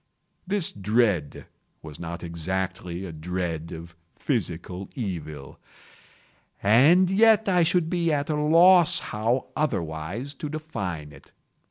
This dread was not exactly a dread of physical evil—and yet I should be at a loss how otherwise to define it.